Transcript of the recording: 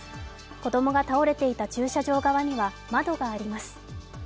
子供が倒れていた駐車場側には窓があります